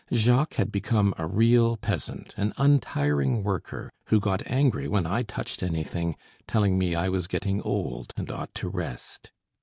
Jacques had become a real peasant, an untiring worker, who got angry when I touched anything, telling me I was getting old and ought to rest.